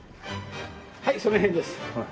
はいその辺です。